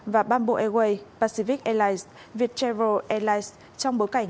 và bamboo airways pacific airlines viettravel airlines trong bối cảnh